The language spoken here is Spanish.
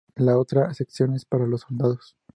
La otra sección es para los soldados.